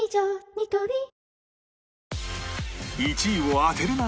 ニトリ１位を当てるな！